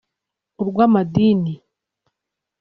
urw’amadini